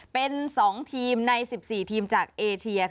เป็น๒ทีมใน๑๔ทีมจากเอเชีย